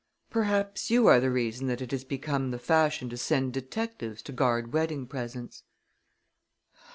"Perhaps you are the reason that it has become the fashion to send detectives to guard wedding presents."